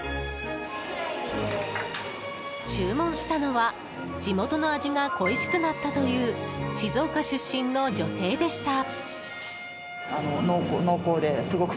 注文したのは地元の味が恋しくなったという静岡出身の女性でした。